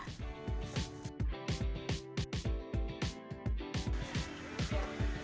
tahu kediri sudah menjadi kudapan tak terlalu mudah dan mudah dikuburkan